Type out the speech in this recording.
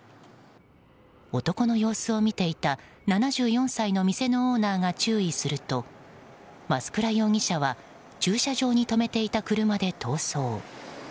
男の様子を見ていた７３歳の店のオーナーが注意すると、増倉容疑者は駐車場に止めていた車で逃走。